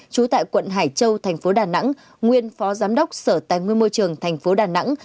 trú tại quận hải châu thành phố đà nẵng nguyên phó giám đốc sở tài nguyên môi trường thành phố đà nẵng